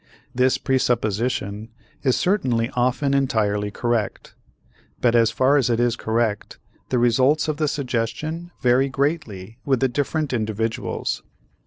This presupposition is certainly often entirely correct, but as far as it is correct, the results of the suggestion vary greatly with the different individuals.